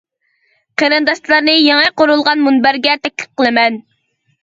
قېرىنداشلارنى يېڭى قۇرۇلغان مۇنبەرگە تەكلىپ قىلىمەن.